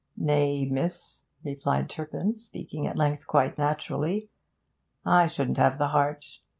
'Nay, miss,' replied Turpin, speaking at length quite naturally; 'I shouldn't have the heart.